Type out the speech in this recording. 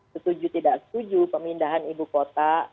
setuju tidak setuju pemindahan ibu kota